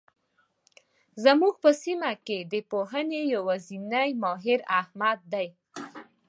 زموږ په سیمه کې د پلوهنې يوازنی ماهر؛ احمد دی.